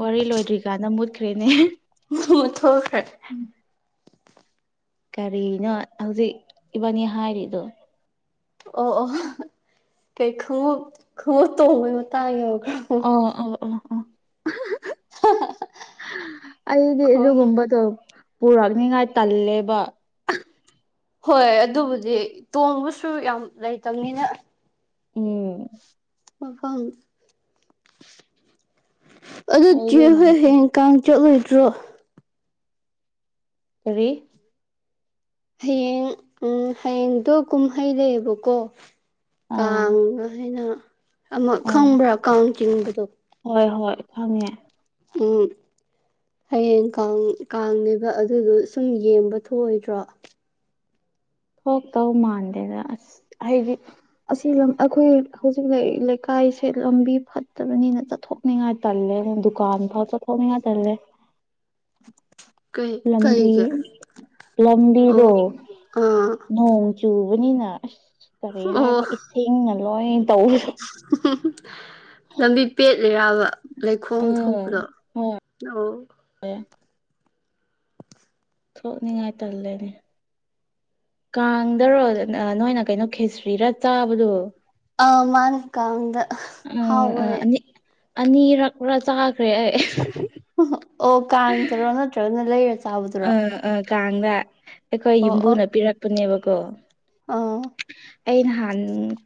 ꯋꯥꯔꯤ ꯂꯣꯏꯗ꯭ꯔꯤꯀꯥꯟꯗ ꯃꯨꯠꯈ꯭ꯔꯦꯅꯦ ꯃꯨꯠꯊꯣꯛꯈ꯭ꯔꯦ ꯎꯝ ꯀꯔꯤꯅꯣ ꯍꯧꯖꯤꯛ ꯏꯕꯥꯅꯤ ꯍꯥꯏꯔꯤꯗꯣ ꯑꯣ ꯑꯣ ꯀꯩ ꯈꯉꯞ ꯈꯣꯡꯎꯞ ꯇꯣꯡꯕꯩ ꯃꯇꯥꯡ ꯌꯧꯈ꯭ꯔꯥ ꯑꯣ ꯑꯣ ꯑꯣ ꯑꯣ ꯑꯩꯗꯤ ꯑꯗꯨꯒꯨꯝꯕꯗꯣ ꯄꯨꯔꯛꯅꯤꯉꯥꯏ ꯇꯜꯂꯦꯕ ꯍꯣꯏ ꯑꯗꯨꯕꯨꯗꯤ ꯇꯣꯡꯕꯁꯨ ꯌꯥꯝ ꯂꯩꯇꯕꯅꯤꯅ ꯎꯝ ꯃꯐꯝ ꯑꯗꯨ ꯆꯦ ꯑꯩꯗꯤꯅꯦ ꯍꯣꯏ ꯍꯌꯦ ꯀꯥꯡ ꯆꯠꯂꯣꯏꯗ꯭ꯔꯣ ꯇꯔꯤ ꯍꯌꯦꯡ ꯎ ꯍꯌꯦꯡꯗꯣ ꯀꯨꯝꯍꯩ ꯂꯩꯦꯕꯀꯣ ꯑꯥ ꯀꯥꯡ ꯍꯥꯏꯅ ꯑꯃ ꯑꯣ ꯈꯪꯕ꯭ꯔꯥ ꯀꯥꯎꯟꯇꯤꯡꯕꯗꯣ ꯍꯣꯏ ꯍꯣꯏ ꯈꯪꯉꯦ ꯎꯝ ꯍꯌꯦꯡ ꯀꯥꯡ ꯀꯥꯡꯅꯦꯕ ꯑꯗꯨꯗꯣ ꯁꯨꯝ ꯌꯦꯡꯕ ꯊꯣꯛꯑꯣꯏꯗ꯭ꯔꯣ ꯍ ꯇꯧ ꯃꯥꯟꯗꯦꯗ ꯑꯁ ꯍꯥꯏꯗꯤ ꯑꯁꯤ ꯂꯝ ꯑꯩꯈꯣꯏ ꯍꯧꯖꯤꯛ ꯂꯩꯀꯥꯏꯁꯦ ꯂꯝꯕꯤ ꯐꯠꯇꯕꯅꯤꯅ ꯆꯠꯊꯣꯛ ꯅꯤꯡꯉꯥꯏ ꯇꯜꯂꯦ ꯗꯨꯀꯥꯟ ꯊꯥꯎ ꯆ ꯊꯉ ꯇꯜꯂꯦ ꯀꯩ ꯂꯝꯕꯤ ꯀꯩꯒꯤ ꯑꯣ ꯂꯝꯕꯤꯗꯣ ꯑꯥ ꯅ ꯆꯨꯕꯅꯤꯅ ꯑꯁ ꯀꯔꯤ ꯑꯣ ꯍꯥꯏꯕ ꯏꯁꯤꯡꯅ ꯂꯣꯏ ꯇꯧ ꯂꯝꯕꯤ ꯄꯦꯠꯂꯤꯔꯕ ꯂꯩꯈꯣꯝ ꯎꯝ ꯊꯣꯛꯄꯗꯣ ꯍꯣꯏ ꯑꯣ ꯊꯣꯛꯅꯤꯡꯉꯥꯏ ꯇꯜꯂꯦꯅꯦ ꯀꯥꯡꯗꯔꯣ ꯅꯣꯏꯅ ꯀꯩꯅꯣ ꯈꯦꯁꯇ꯭ꯔꯤꯔꯥ ꯆꯥꯕꯗꯣ ꯑ ꯃꯥꯅꯤ ꯀꯗ ꯍꯥꯎꯅꯦꯦ ꯑꯅꯤꯔꯛ ꯄꯨꯔꯥ ꯆꯥꯈ꯭ꯔꯦ ꯑꯩ ꯑꯣ ꯀꯥꯡꯗꯔꯣ ꯅꯠꯇ꯭ꯔꯒꯅ ꯂꯩꯔꯁꯦ ꯑꯥ ꯑꯥ ꯀꯥꯡꯗ ꯑꯩꯈꯣꯏ ꯌꯨꯝꯕꯨꯅ ꯄꯤꯔꯛꯄꯅꯦꯕꯀꯣ ꯑ ꯑꯩ ꯅꯍꯥꯟ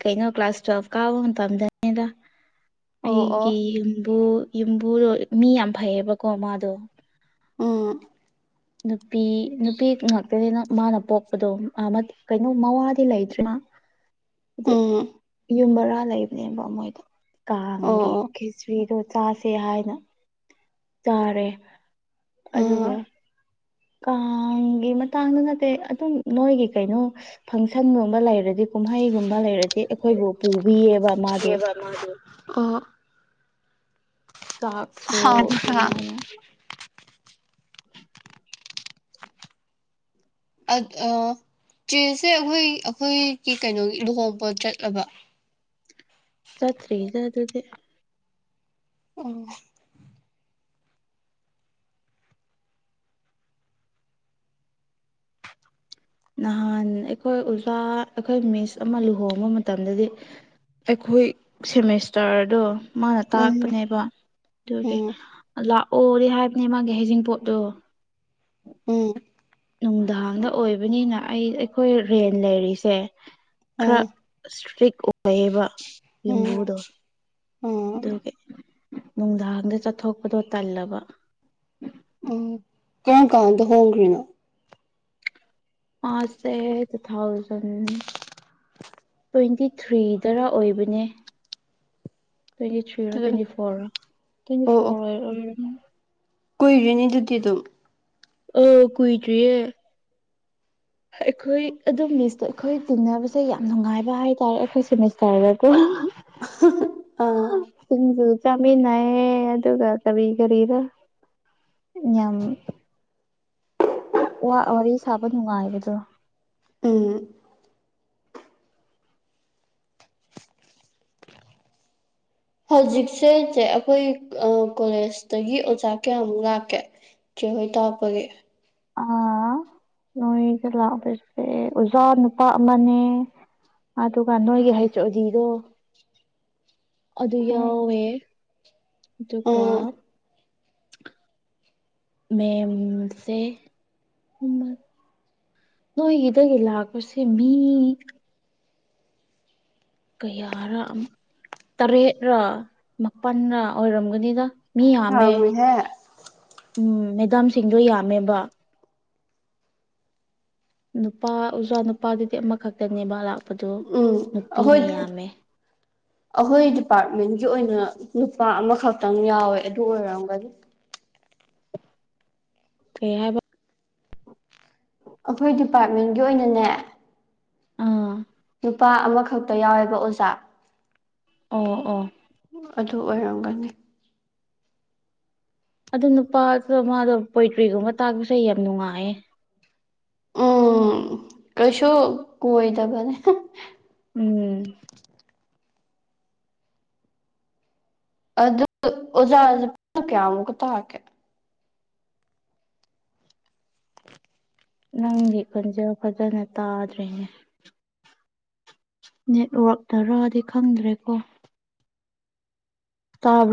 ꯀꯩꯅꯣ ꯀ꯭ꯂꯥꯁ ꯇꯨꯋꯦꯜꯐ ꯀꯥꯕ ꯃꯇꯝꯗꯅꯤꯗ ꯑꯣ ꯑꯣ ꯑꯩꯒꯤ ꯌꯝꯕꯨ ꯌꯨꯝꯕꯨꯗꯣ ꯃꯤ ꯌꯥꯝ ꯐꯩꯌꯦꯕꯀꯣ ꯃꯥꯗꯣ ꯎꯝ ꯅꯨꯄꯤ ꯅꯨꯄꯤ ꯉꯥꯛꯇꯅꯤꯅ ꯃꯥꯅ ꯄꯣꯛꯄꯗꯣ ꯀꯩꯅꯣ ꯃꯋꯥꯗꯤ ꯂꯩꯇ꯭ꯔꯦ ꯑꯗꯨ ꯎꯝ ꯌꯨꯝ ꯚꯔꯥ ꯂꯩꯕꯅꯦꯕ ꯃꯣꯏꯗ ꯑꯣ ꯀꯥꯡꯒꯤ ꯑꯣ ꯈꯦꯆ꯭ꯔꯤꯗꯣ ꯆꯥꯁꯦ ꯍꯥꯏꯅ ꯆꯥꯔꯦ ꯑꯗꯨꯒ ꯎꯝ ꯀꯥꯡꯒꯤ ꯃꯇꯥꯡꯗ ꯅꯠꯇꯦ ꯑꯗꯨꯝ ꯅꯣꯏꯒꯤ ꯀꯩꯅꯣ ꯐꯪꯁꯟꯒꯨꯝꯕ ꯂꯩꯔꯗꯤ ꯀꯨꯝꯍꯩꯒꯨꯝꯕ ꯂꯩꯔꯗꯤ ꯑꯩꯈꯣꯏꯕꯨ ꯄꯨꯕꯤꯌꯦꯕ ꯃꯥꯗꯣ ꯕ ꯑꯣ ꯆꯥꯛꯁꯨꯣ ꯍꯥꯎꯕ꯭ꯔꯥ ꯑꯗꯨꯃꯥꯏꯅ ꯆꯦꯁꯦ ꯑꯩꯈꯣꯏ ꯑꯩꯈꯣꯏꯒꯤ ꯀꯩꯅꯣꯒꯤ ꯂꯨꯍꯣꯡꯕ ꯆꯠꯂꯕ ꯆꯠꯇꯔꯤꯗ ꯑꯗꯨꯗꯤ ꯑꯝ ꯅꯍꯥꯟ ꯑꯩꯈꯣꯏ ꯑꯣꯖꯥ ꯑꯩꯈꯣꯏ ꯃꯤꯁ ꯑꯃ ꯂꯨꯍꯣꯡꯕ ꯃꯇꯝꯗꯗꯤ ꯑꯩꯈꯣꯏ ꯁꯦꯃꯦꯁꯇꯔꯗꯣ ꯃꯥꯅ ꯎꯝ ꯇꯥꯛꯄꯅꯦꯕ ꯑꯗꯨꯒꯤ ꯎꯝ ꯂꯥꯛꯑꯣꯗꯤ ꯍꯥꯏꯕꯅꯦ ꯃꯥꯒꯤ ꯍꯩꯖꯤꯡꯄꯣꯠꯇꯣ ꯎꯝ ꯅꯨꯡꯗꯥꯡꯗ ꯑꯣꯏꯕꯅꯤꯅ ꯑꯩ ꯑꯩꯈꯣꯏ ꯔꯦꯟ ꯂꯩꯔꯤꯁꯦ ꯈꯔ ꯏꯁꯇ꯭ꯔꯤꯛ ꯑꯣꯏꯌꯦꯕ ꯎꯝ ꯎꯝ ꯌꯨꯝꯕꯨꯗꯣ ꯎꯝ ꯑꯗꯨꯒꯤ ꯅꯨꯡꯗꯥꯡꯗ ꯆꯠꯊꯣꯛꯄꯗꯣ ꯇꯜꯂꯕ ꯑꯣ ꯀꯔꯝ ꯀꯥꯟꯗ ꯍꯣꯡꯈ꯭ꯔꯤꯅꯣ ꯃꯥꯥꯁꯦ ꯇꯨ ꯊꯥꯎꯖꯟ ꯇ꯭ꯋꯦꯟꯇꯤ ꯊ꯭ꯔꯤꯗꯔ ꯑꯣꯏꯕꯅꯦ twenty three twenty four twenty four ꯀꯨꯏꯗꯔꯤꯅꯦ ꯑꯗꯨꯗꯤ ꯑꯗꯨꯝ ꯑꯝ ꯀꯏꯗꯔꯤꯌꯦ ꯑꯩꯈꯣꯏ ꯑꯗꯨ ꯃꯤꯁꯇꯣ ꯑꯩꯈꯣꯏ ꯇꯤꯟꯅꯕꯁꯦ ꯌꯥꯝ ꯅꯨꯡꯉꯥꯏꯕ ꯍꯥꯏꯇꯥꯔꯦ ꯑꯩꯈꯣꯏ ꯁꯦꯃꯤꯁꯇꯔꯒ ꯀꯣ ꯑꯥ [unintelligible] ꯆꯃꯤꯅꯥꯌꯦ ꯑꯗꯨꯒ ꯀꯔꯤ ꯀꯔꯤꯔ ꯌꯥꯝ ꯋꯥ ꯋꯥꯔꯤ ꯁꯥꯕ ꯅꯨꯡꯉꯥꯏꯕꯗꯣ ꯎꯝ ꯍꯧꯖꯤꯛꯁꯦ ꯆꯦ ꯑꯩꯈꯣꯏ ꯀꯣꯂꯦꯖꯇꯒꯤ ꯑꯣꯖꯥ ꯀꯌꯥꯃꯨꯛ ꯂꯥꯛꯀꯦ ꯆꯦꯍꯣꯏ ꯇꯥꯛꯄꯒꯤ ꯈꯣꯏꯒꯤꯗ ꯂꯥꯛꯄꯁꯦ ꯑꯣꯖꯥ ꯅꯨꯄꯥ ꯑꯃꯅꯦ ꯑꯗꯨꯒ ꯅꯣꯏꯒꯤ ꯍꯩꯆꯑꯣꯗꯤꯗꯣ ꯑꯗꯨ ꯌꯥꯎꯋꯦ ꯑꯗꯨꯒ ꯑꯥ ꯃꯦꯝꯁꯦ ꯅꯣꯏꯒꯤꯗꯒꯤ ꯂꯥꯛꯄꯁꯦ ꯃꯤ ꯀꯌꯥꯔ ꯇꯔꯦꯠꯔ ꯃꯥꯄꯜꯔ ꯑꯣꯏꯔꯝꯒꯅꯤꯗ ꯃꯤ ꯌꯥꯝꯃꯦ ꯌꯥꯝꯃꯤꯍꯦ ꯎꯝ ꯃꯦꯗꯥꯝꯁꯤꯡꯗꯣ ꯌꯥꯝꯃꯦꯕ ꯅꯨꯄꯥ ꯑꯣꯖꯥ ꯅꯨꯄꯥꯗꯨꯗꯤ ꯑꯃꯈꯛꯇꯅꯦꯕ ꯂꯥꯛꯄꯗꯣ ꯅꯨꯄꯤꯅ ꯑꯈꯣꯏ [inaudible] ꯑꯩꯈꯣꯏ ꯗꯤꯄꯥꯔꯠꯃꯦꯟꯒꯤ ꯑꯣꯏꯅ ꯅꯨꯄꯥ ꯑꯃꯈꯛꯇꯪ ꯌꯥꯎꯋꯦ ꯑꯗꯨ ꯑꯣꯏꯔꯝꯒꯗꯤ ꯀꯩ ꯍꯥꯏꯕ ꯑꯩꯈꯣꯏ ꯗꯤꯄꯥꯔꯠꯃꯦꯟꯒꯤ ꯑꯣꯏꯅꯅꯦ ꯑꯥ ꯅꯨꯄꯥ ꯑꯃꯈꯛꯇ ꯌꯥꯎꯋꯦꯕ ꯑꯣꯖꯥ ꯑꯣ ꯑꯣꯥ ꯑꯗꯨ ꯑꯣꯏꯔꯝꯒꯅꯤ ꯑꯗꯨ ꯅꯨꯄꯥꯗꯨ ꯃꯥꯗꯣ ꯄꯣꯏꯇ꯭ꯔꯤꯒꯨꯝꯕ ꯇꯥꯛꯄꯁꯦ ꯌꯥꯝ ꯅꯨꯡꯉꯥꯏꯌꯦ ꯎꯝ ꯀꯩꯁꯨ ꯀꯣꯏꯗꯕꯅꯦ ꯎꯝ ꯑꯗꯨ ꯑꯣꯖꯥꯁꯦ ꯀꯌꯥꯃꯨꯛꯀ ꯇꯥꯛꯀꯦ [inaudible] ꯅꯪꯒꯤ ꯈꯣꯟꯖꯦꯜ ꯐꯖꯅ ꯇꯥꯗ꯭ꯔꯦꯍꯦ ꯅꯦꯠꯋꯔꯛ ꯅꯔꯗꯤ ꯈꯪꯗ꯭ꯔꯦ ꯀꯣ ꯇꯥꯕ꯭ꯔꯣ